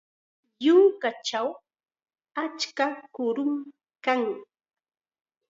Yunkachaw achka kurum kan.